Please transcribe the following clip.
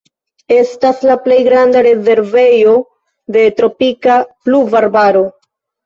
Estas la plej granda rezervejo de tropika pluvarbaro.